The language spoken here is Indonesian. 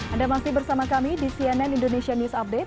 anda masih bersama kami di cnn indonesia news update